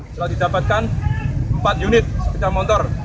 setelah didapatkan empat unit sepeda motor